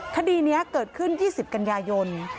คดีนี้เกิดขึ้น๒๐กันยายน